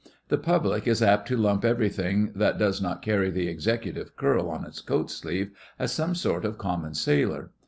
The public is apt to lump everything that does not carry the executive curl on its coat sleeve as some sort of common sailor.